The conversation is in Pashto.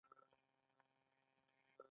پکۍ کور یخوي